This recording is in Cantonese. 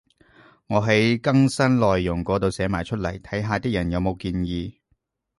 我喺更新內容嗰度寫埋出嚟，睇下啲人有冇建議